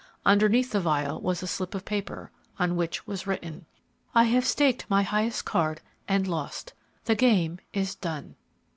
Underneath the vial was a slip of paper, on which was written, "I have staked my highest card and lost! The game is done."